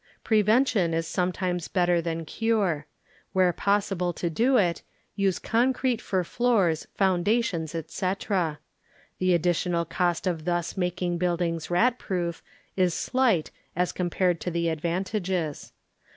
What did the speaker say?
Prevention is sometimes better than cure. Where possible to do it, use con crete for floors, foundations, etc. The additional cost of thus making buildings rat proof is slight as compared to the advantages.